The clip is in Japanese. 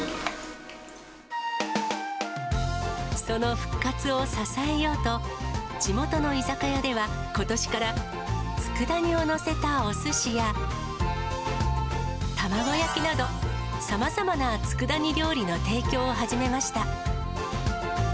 その復活を支えようと、地元の居酒屋では、ことしからつくだ煮を載せたおすしや、卵焼きなど、さまざまなつくだ煮料理の提供を提供を始めました。